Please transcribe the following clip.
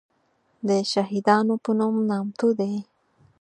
دشهیدانو په نوم نامتو دی.